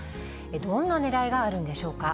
どんなねらいがあるんでしょうか。